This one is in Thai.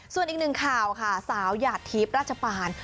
ส่วนอีกหนึ่งข่าวค่ะสาวหยาดทิพย์ราชปาน